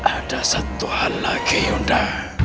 ada satu hal lagi yuda